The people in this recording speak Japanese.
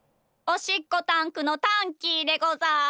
おしっこタンクのタンキーでござる。